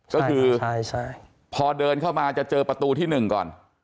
ใช่ค่ะใช่ใช่พอเดินเข้ามาจะเจอประตูที่หนึ่งก่อน